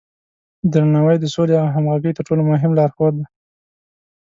درناوی د سولې او همغږۍ تر ټولو مهم لارښود دی.